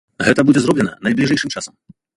Гэта будзе зроблена найбліжэйшым часам.